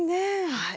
はい。